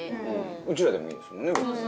うちらでもいいですもんね別に。